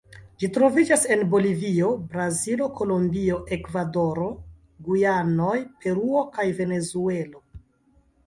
Ĝi troviĝas en Bolivio, Brazilo, Kolombio, Ekvadoro, Gujanoj, Peruo, kaj Venezuelo.